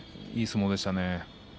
いい相撲でした。